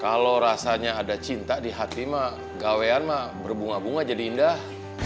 kalau rasanya ada cinta di hati mah gawean mah berbunga bunga jadi indah